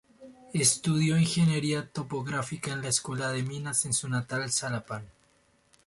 Estudió Ingeniería Topográfica en la Escuela de Minas en su natal Xalapa.